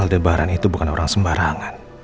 lebaran itu bukan orang sembarangan